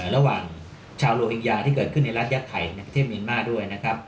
ระหว่างชาวโรฮิงญาที่เกิดขึ้นในรัฐยักษ์ไทยในประเทศเมียนมาร์ด้วยนะครับ